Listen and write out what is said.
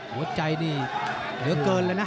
หัวใจนี่เหลือเกินเลยนะ